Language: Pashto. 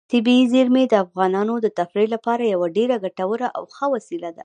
طبیعي زیرمې د افغانانو د تفریح لپاره یوه ډېره ګټوره او ښه وسیله ده.